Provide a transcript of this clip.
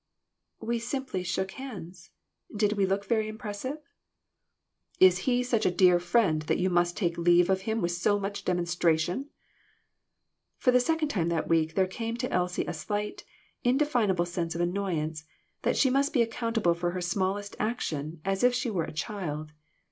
"We simply shook hands. Did we look very impressive ?"" Is he such a dear friend that you must take leave of him with so much demonstration ?" For the second time that week there came to Elsie a slight, indefinable sense of annoyance, that she must be accountable for her smallest action, as if she were a child.